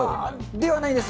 ではないです。